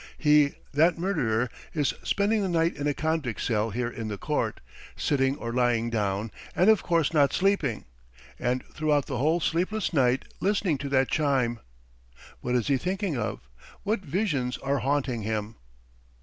He, that murderer, is spending the night in a convict cell here in the court, sitting or lying down and of course not sleeping, and throughout the whole sleepless night listening to that chime. What is he thinking of? What visions are haunting him?"